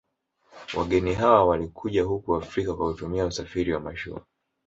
Wageni hawa walikuja huku Afrika kwa kutumia usafiri wa mashua